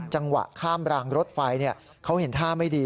จังหวะข้ามรางรถไฟเขาเห็นท่าไม่ดี